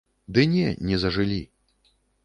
Ды не, не зажылі.